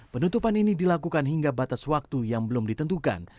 penutupan ini dilakukan hingga batas waktu yang belum ditentukan